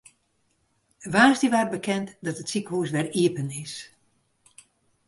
Woansdei waard bekend dat it sikehûs wer iepen is.